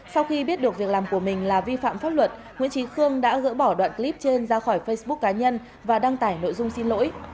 sau khi biết được việc làm của mình là vi phạm pháp luật nguyễn trí khương đã gỡ bỏ đoạn clip trên ra khỏi facebook cá nhân và đăng tải nội dung xin lỗi